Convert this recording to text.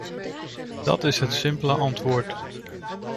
Dat is het simpele antwoord.